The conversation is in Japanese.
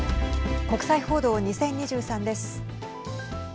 国際報道２０２３です。